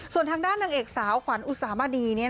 ส่วนทางด้านนางเอกสาวขวัญอุสามณี